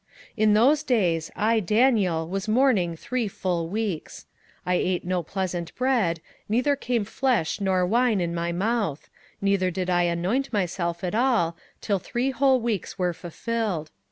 27:010:002 In those days I Daniel was mourning three full weeks. 27:010:003 I ate no pleasant bread, neither came flesh nor wine in my mouth, neither did I anoint myself at all, till three whole weeks were fulfilled.